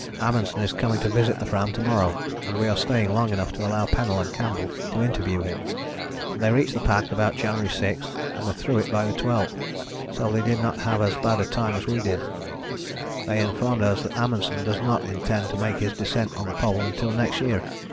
Amundsen is coming to visit the Fram to morrow, and we are staying long enough to allow Pennell and Campbell to interview him. They reached the pack about January 6 and were through it by the 12th, so they did not have as bad a time as we did. They inform us that Amundsen does not intend to make his descent on the Pole until next year.